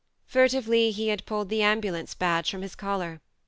Furtively he had pulled the ambulance badge from his collar